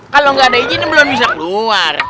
kalo gak ada izin belum bisa keluar